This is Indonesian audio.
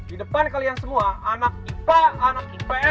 di depan kalian semua anak ipa anak ips sma garuda